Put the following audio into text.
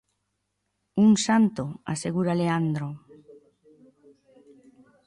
Un santo, asegura Leandro.